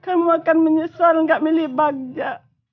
kamu akan menyesal gak milih bagja